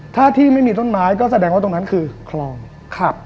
ถ้าที่ไม่มีต้นไม้ก็แสดงว่าตรงนั้นคือคลองครับ